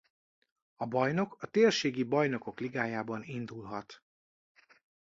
A bajnok a térségi Bajnokok Ligájában indulhat.